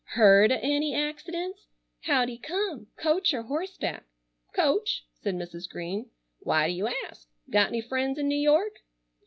"Heard o' any accidents? How'd he come? Coach or horseback?" "Coach," said Mrs. Green. "Why do you ask? Got any friends in New York?"